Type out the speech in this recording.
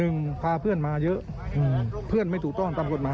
หนึ่งพาเพื่อนมาเยอะเพื่อนไม่ถูกต้องตามกฎหมาย